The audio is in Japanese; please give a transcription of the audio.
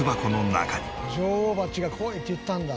女王蜂が「来い」って言ったんだ。